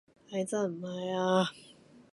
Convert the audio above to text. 係真唔係呀